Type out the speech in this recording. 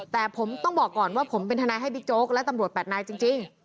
แต่ผมต้องบอกก่อนว่าผมเป็นทนายให้บิ๊กโจ๊กและตำรวจ๘นายจริง